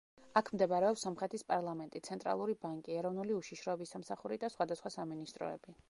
აქ მდებარეობს სომხეთის პარლამენტი, ცენტრალური ბანკი, ეროვნული უშიშროების სამსახური და სხვადასხვა სამინისტროები.